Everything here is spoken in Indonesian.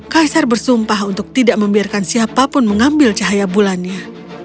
kaisar bersumpah untuk tidak membiarkan siapapun mengambil cahaya bulannya